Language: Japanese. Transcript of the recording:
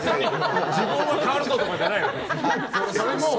自分も変わるぞとかじゃないの？